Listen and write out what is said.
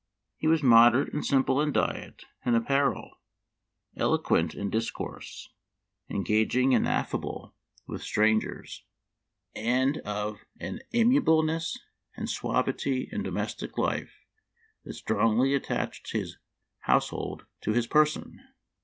He was moderate and simple in diet and apparel, elo quent in discourse, engaging and affable with Memoir of Washington Irving. 159 strangers, and of an amiableness and suavity in domestic life that strongly attached his house hold to his person.